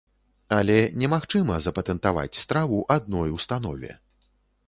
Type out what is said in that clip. Але немагчыма запатэнтаваць страву адной установе.